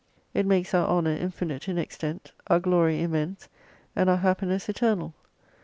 It makes our honour infinite in extent, our glory immense, and our happiness eternal.